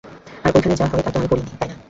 আর ঐখানে যা হয়, তা তো আমি করিই নি, তাই না?